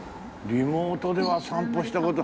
リモートでは散歩した事。